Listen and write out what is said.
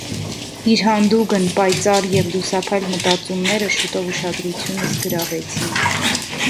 Իր յանդուգն, պայծար եւ լուսափայլ մտածումները շուտով ուշադրութիւնս գրաւեցին։